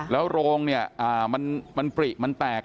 แล้วโรงเนี่ยมันปริมันแตก